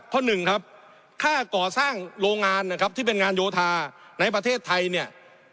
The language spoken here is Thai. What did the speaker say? หนึ่งครับค่าก่อสร้างโรงงานนะครับที่เป็นงานโยธาในประเทศไทยเนี่ย